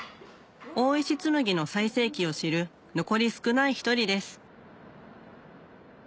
大石紬の最盛期を知る残り少ない一人です